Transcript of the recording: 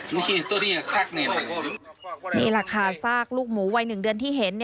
นี่แหละค่ะซากลูกหมูวัย๑เดือนที่เห็น